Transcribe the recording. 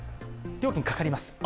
料金かかります。